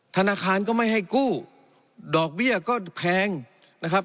ธนาคารก็ไม่ให้กู้ดอกเบี้ยก็แพงนะครับ